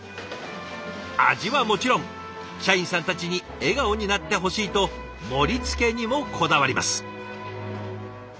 味はもちろん社員さんたちに笑顔になってほしいと盛りつけにもこだわります。